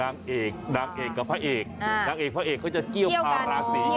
นางเอกพระเอกเค้าจะเกี้ยวกับราศี